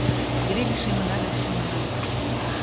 Эре лишемына да лишемына.